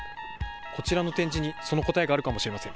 こちらの展示にその答えがあるかもしれません。